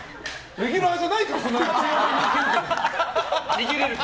レギュラーじゃないからな！